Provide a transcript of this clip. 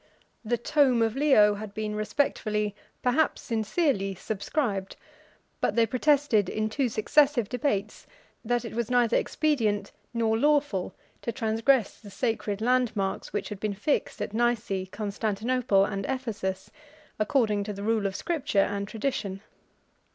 The tome of Leo had been respectfully, perhaps sincerely, subscribed; but they protested, in two successive debates, that it was neither expedient nor lawful to transgress the sacred landmarks which had been fixed at Nice, Constantinople, and Ephesus, according to the rule of Scripture and tradition.